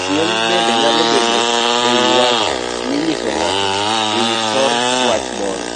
Siem bende nyalo bedo ewii wach minyiso ng'ato ewi thor wach moro